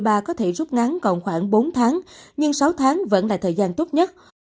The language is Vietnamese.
tư vấn mũi ba có thể rút ngắn còn khoảng bốn tháng nhưng sáu tháng vẫn là thời gian tốt nhất